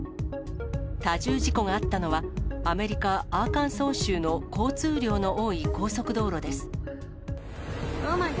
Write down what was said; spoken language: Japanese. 多重事故があったのは、アメリカ・アーカンソー州の交通量の多い高速道路です。